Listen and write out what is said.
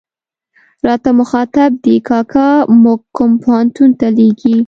راته مخاطب دي، کاکا موږ کوم پوهنتون ته لېږې.